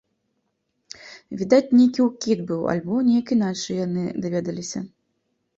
Відаць, нейкі ўкід быў, альбо неяк іначай яны даведаліся.